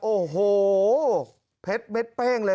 โอ้โหเพชรเม็ดเป้งเลย